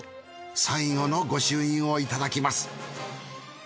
最後の御朱印をいただきます。